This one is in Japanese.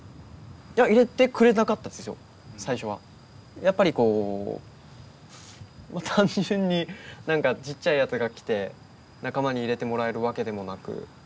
やっぱりこう単純になんかちっちゃいやつが来て仲間に入れてもらえるわけでもなく。